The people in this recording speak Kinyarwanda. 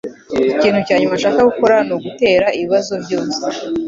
Ikintu cya nyuma nshaka gukora ni ugutera ibibazo byose